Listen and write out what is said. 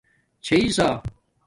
چھئیئ سݳ